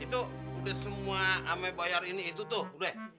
itu udah semua rame bayar ini itu tuh udah